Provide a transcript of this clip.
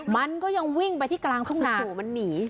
มันก็ยังวิ่งไปที่กลางทุ่งนาอยู่มันหนี